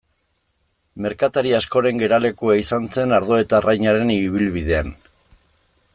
Merkatari askoren geralekua izan zen ardo eta arrainaren ibilbidean.